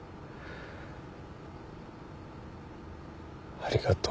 ありがとう。